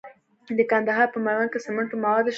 د کندهار په میوند کې د سمنټو مواد شته.